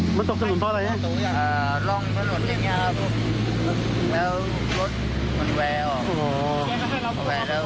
อันนี้ตกขอบตกขอบก็หักขึ้นมา